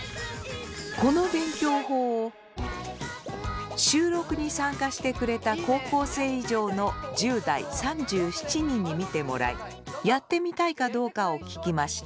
この勉強法を収録に参加してくれた高校生以上の１０代３７人に見てもらいやってみたいかどうかを聞きました。